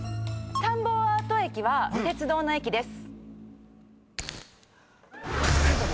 田んぼアート駅は鉄道の駅です。